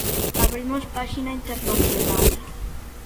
Abrimos páxina internacional.